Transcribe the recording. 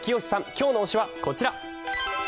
今日の推しはこちら。